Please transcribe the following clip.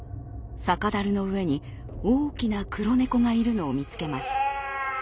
酒だるの上に大きな黒猫がいるのを見つけます。